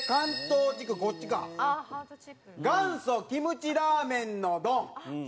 元祖キムチラーメンのどん。